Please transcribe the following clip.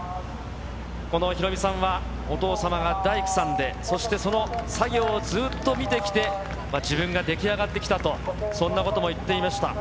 このヒロミさんは、お父様が大工さんで、そしてその作業をずっと見てきて、自分が出来上がってきたと、そんなことも言っていました。